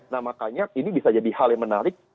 nah makanya ini bisa jadi hal yang menarik